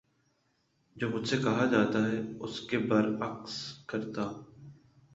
جو مجھ سے کہا جاتا ہے اس کے بر عکس کرتا ہوں